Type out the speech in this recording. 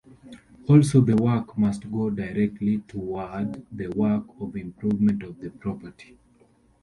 Also, the work must go directly toward the work of improvement of the property.